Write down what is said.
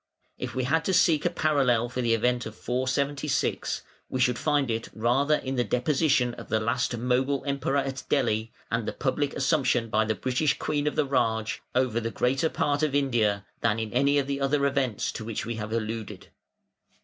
If we had to seek a parallel for the event of 476, we should find it rather in the deposition of the last Mogul Emperor at Delhi, and the public assumption by the British Queen of the "Raj" over the greater part of India, than in any of the other events to which we have alluded.